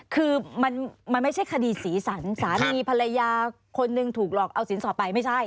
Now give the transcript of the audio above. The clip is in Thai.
คือมันไม่ใช่คดีสีสันสามีภรรยาคนหนึ่งถูกหลอกเอาสินสอดไปไม่ใช่